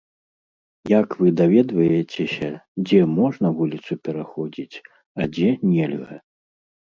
Як вы даведваецеся, дзе можна вуліцу пераходзіць, а дзе нельга?